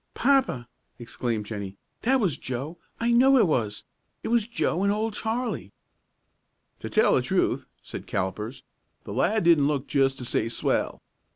"Papa," exclaimed Jennie, "that was Joe! I know it was! It was Joe and Old Charlie!" "To tell the truth," said Callipers, "the lad didn't look just to say swell.